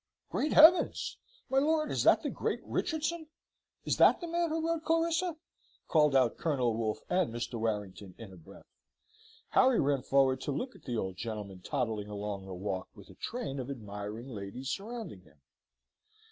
"Great heavens! my lord, is that the great Richardson? Is that the man who wrote Clarissa?" called out Colonel Wolfe and Mr. Warrington, in a breath. Harry ran forward to look at the old gentleman toddling along the walk with a train of admiring ladies surrounding him.